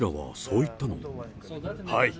はい。